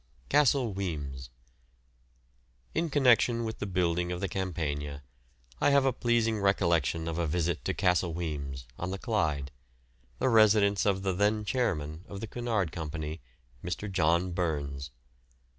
CASTLE WEMYSS. In connection with the building of the "Campania," I have a pleasing recollection of a visit to Castle Wemyss, on the Clyde, the residence of the then chairman of the Cunard Company, Mr. John Burns.